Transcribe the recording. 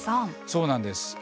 そうなんです。